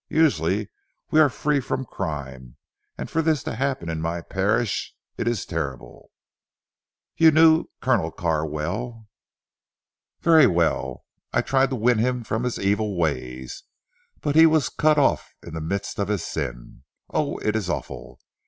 Usually we are free from crime, and for this to happen in my parish! It is terrible. "You knew Colonel Carr well?" "Very well. I tried to win him from his evil ways. But he was cut off in the midst of his sin. Oh, it is awful.